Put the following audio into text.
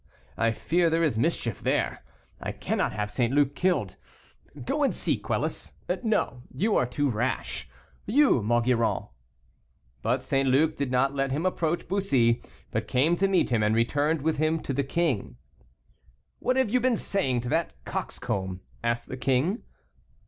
I fear there is mischief there; I cannot have St. Luc killed. Go and see, Quelus; no, you are too rash you, Maugiron." But St. Luc did not let him approach Bussy, but came to meet him and returned with him to the king. "What have you been saying to that coxcomb?" asked the king.